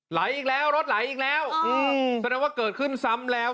ไหลอีกแล้วรถไหลอีกแล้วอืมแสดงว่าเกิดขึ้นซ้ำแล้ว